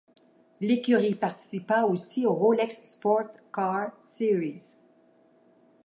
L'écurie participa aussi aux Rolex Sports Car Series.